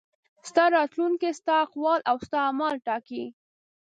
ستا راتلونکی ستا اقوال او ستا اعمال ټاکي.